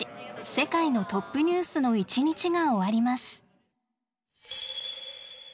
世界のトップニュース」の一日が終わります。